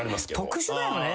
特殊だよね。